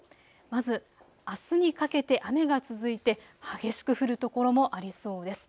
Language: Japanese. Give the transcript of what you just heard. まず、あすにかけて雨が続いて激しく降る所もありそうです。